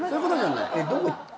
どこ行った？